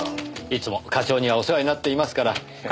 いつも課長にはお世話になっていますから。